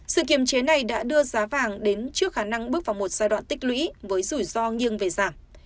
sự kiềm chế này đã đưa giá vàng đến trước khả năng bước vào một giai đoạn tích lũy với rủi ro nghiêng về giảm